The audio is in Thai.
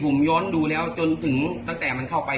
ภูมิย้อนดูแล้วตั้งแต่เมื่อมันเข้าไป